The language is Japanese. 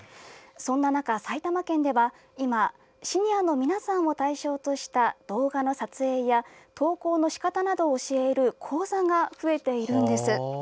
そんな中、埼玉県では今シニアの皆さんを対象とした動画の撮影や投稿の仕方などを教える講座が増えているんです。